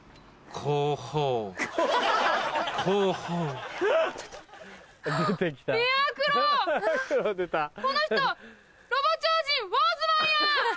この人ロボ超人ウォーズマンや！